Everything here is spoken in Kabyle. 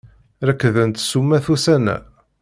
Rekdent ssumat ussan-a.